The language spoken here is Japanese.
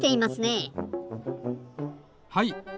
はい。